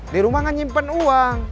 di rumah enggak nyimpen uang